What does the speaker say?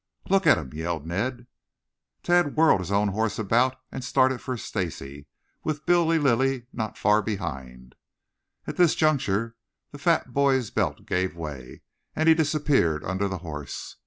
"Look at him!" yelled Ned. Tad whirled his own horse about and started for Stacy, with Billy Lilly not far behind. At this juncture the fat boy's belt gave way, and he disappeared under the horse.